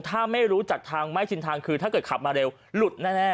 ถ้าไม่รู้จักทางไม่ชินทางคือถ้าเกิดขับมาเร็วหลุดแน่